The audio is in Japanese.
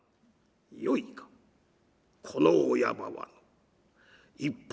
「よいかこのお山は一品